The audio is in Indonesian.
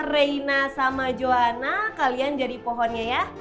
reina sama joana kalian jadi pohonnya ya